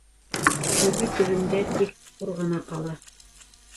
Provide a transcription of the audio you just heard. Көбө төбөндә тик ҡур ғына ҡала...